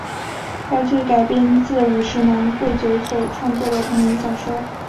该剧改编自五十岚贵久所创作的同名小说。